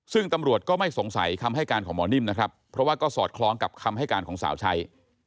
ซึ่งตำรวจก็ไม่สงสัยคำให้การของหมอนิ่มนะครับเพราะว่าก็สอดคล้องกับคำให้การของสาวชัย